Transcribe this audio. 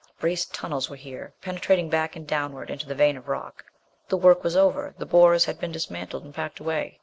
Braced tunnels were here, penetrating back and downward into the vein of rock. The work was over. The borers had been dismantled and packed away.